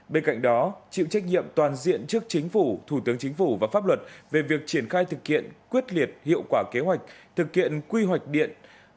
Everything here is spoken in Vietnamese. bên cạnh đó chịu trách nhiệm toàn diện trước chính phủ thủ tướng chính phủ và pháp luật về việc triển khai thực hiện quyết liệt hiệu quả kế hoạch thực hiện quy hoạch điện